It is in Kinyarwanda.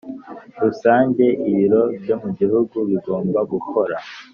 Rusange ibiro byo mu gihugu bigomba gukora